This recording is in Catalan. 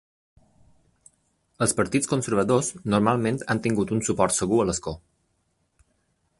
Els partits conservadors normalment han tingut un suport segur a l'escó.